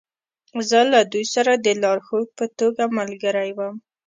زه له دوی سره د لارښود په توګه ملګری وم